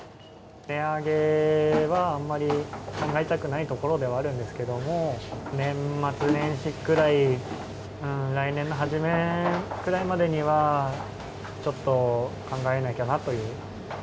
値上げはあんまり考えたくないところではあるんですけれども、年末年始くらい、来年の初めくらいまでには、ちょっと考えなきゃなという。